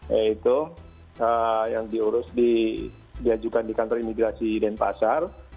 yaitu yang diurus diajukan di kantor imigrasi denpasar